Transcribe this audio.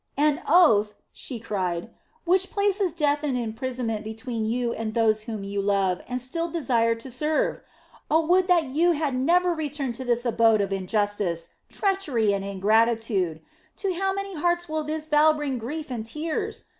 "An oath," she cried, "which places death and imprisonment between you and those whom you love and still desire to serve. Oh, would that you had never returned to this abode of injustice, treachery, and ingratitude! To how many hearts this vow will bring grief and tears!